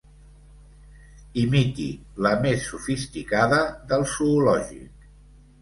Imiti la més sofisticada del zoològic.